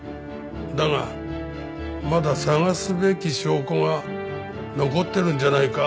だがまだ捜すべき証拠は残ってるんじゃないか？